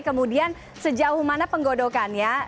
kemudian sejauh mana penggodokannya